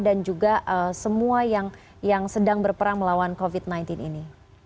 dan juga semua yang sedang berperang melawan covid sembilan belas ini